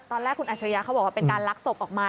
ตอนแรกอาชริยาเขาบอกว่าเป็นเวลาลักษณ์ศพออกมา